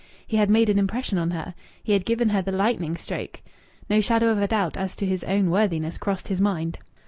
He had made an impression on her! He had given her the lightning stroke! No shadow of a doubt as to his own worthiness crossed his mind.